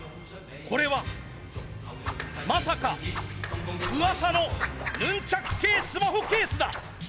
これはまさかうわさのヌンチャク系スマホケースだ。